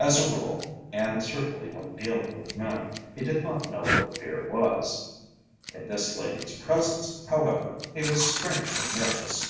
As a rule, and certainly when dealing with men, he did not know what fear was. In this lady's presence, however, he was strangely nervous.